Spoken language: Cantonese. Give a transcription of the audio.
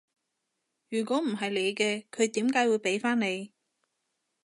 如果唔係你嘅，佢點解會畀返你？